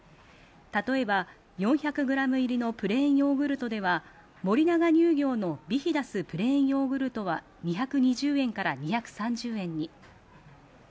例えば４００グラム入りのプレーンヨーグルトでは、森永乳業の「ビヒダスプレーンヨーグルト」は２２０円から２３０円に。